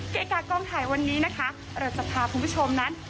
เกกากองถ่ายวันนี้นะคะเราจะพาคุณผู้ชมนั้น